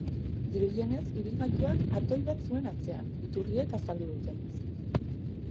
Dirudienez, ibilgailuak atoi bat zuen atzean, iturriek azaldu dutenez.